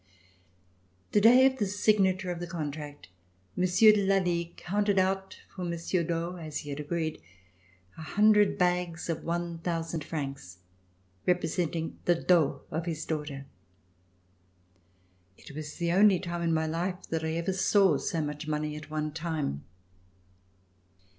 The day of the signature of the contract. Monsieur de Lally counted out for Monsieur d'Aux, as he had agreed, 100 bags of 1000 francs, representing the dot of his daughter. It was the only time in my life that I ever saw so much money at one time.